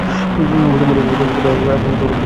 কুসুম বসিল এবং বসিয়া যেন বাঁচিল।